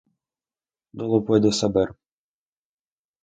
Luego puedo saber.